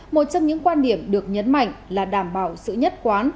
một trong những quan điểm được nhấn mạnh là đảm bảo sự nhất quán